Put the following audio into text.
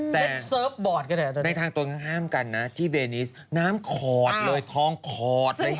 แต่ในทางตัวแห้งห้ามกันนะที่เวนิสน้ำขอดเลยทองขอดแห้งขอด